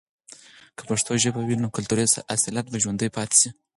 که پښتو ژبه وي، نو کلتوری اصالت به ژوندۍ پاتې سي.